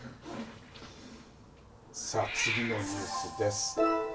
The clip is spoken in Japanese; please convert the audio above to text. さあ、次のニュースです。